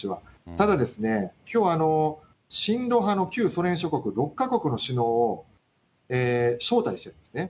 ただ、きょう、親ロ派の旧ソ連諸国６か国の首脳を招待してるんですね。